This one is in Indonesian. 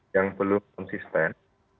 yang belum konsisten